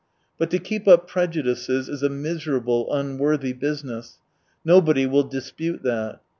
But to keep up prejudices is a miserable, unworthy business : nobody will dispute that.